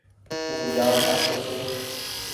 او جآم آڇو ڇي۔